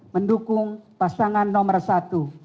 mendukung pasangan nomor satu